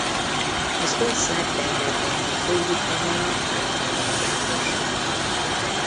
Az ország tengerparti főútvonala áthalad a városon.